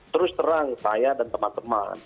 terus terang saya dan teman teman